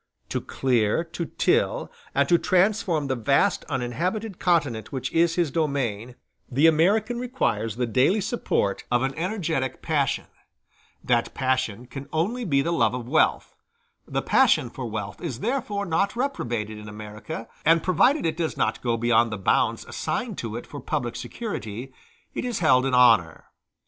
To clear, to till, and to transform the vast uninhabited continent which is his domain, the American requires the daily support of an energetic passion; that passion can only be the love of wealth; the passion for wealth is therefore not reprobated in America, and provided it does not go beyond the bounds assigned to it for public security, it is held in honor.